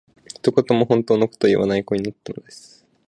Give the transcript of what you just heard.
一言も本当の事を言わない子になっていたのです